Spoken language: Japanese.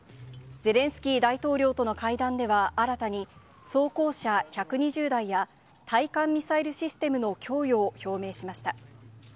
ゼレンスキー大統領との会談では、新たに装甲車１２０台や、対艦ミサイルシステムの供与を表明しました。